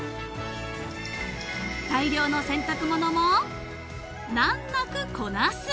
［大量の洗濯物も難なくこなす］